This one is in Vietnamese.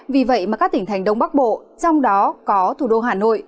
vì vậy mà các tỉnh thành đông bắc bộ trong đó có thủ đô hà nội